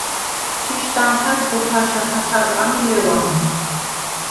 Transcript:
შიშდ ანჴა̈დხ ოთარშა თათარყან ი ლეუ̂ან.